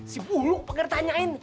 si bulu pengen tanyain